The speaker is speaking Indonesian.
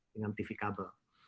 dengan tv kabel